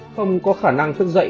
không có khả năng thức dậy